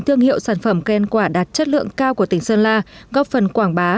thương hiệu sản phẩm khen quả đạt chất lượng cao của tỉnh sơn la góp phần quảng bá